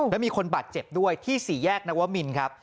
แล้วมีคนบาดเจ็บด้วยที่สี่แยกนวมินครับ